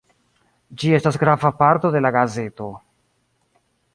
Ĝi estas grava parto de la gazeto.